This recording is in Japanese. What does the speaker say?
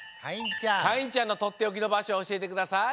かいんちゃんのとっておきのばしょおしえてください。